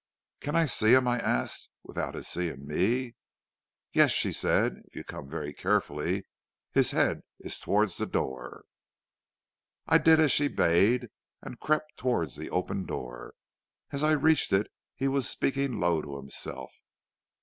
"'Can I see him,' I asked, 'without his seeing me?' "'Yes,' said she, 'if you come very carefully; his head is towards the door.' "I did as she bade, and crept towards the open door. As I reached it he was speaking low to himself.